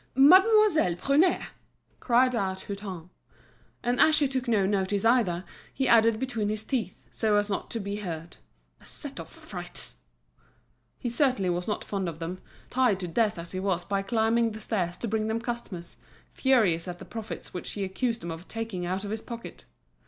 "Mademoiselle Prunaire!" cried out Hutin. And as she took no notice either, he added between his teeth, so as not to be heard: "A set of frights!" He certainly was not fond of them, tired to death as he was by climbing the stairs to bring them customers, furious at the profits which he accused them of taking out of his pocket.